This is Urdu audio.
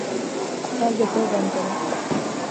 اپنا زپر بند کرو